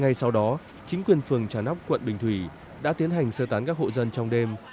ngay sau đó chính quyền phường trà nóc quận bình thủy đã tiến hành sơ tán các hộ dân trong đêm